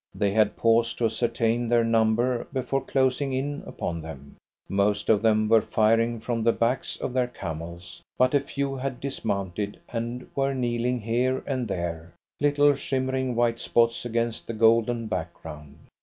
They had paused to ascertain their number before closing in upon them. Most of them were firing from the backs of their camels, but a few had dismounted and were kneeling here and there little shimmering white spots against the golden back ground.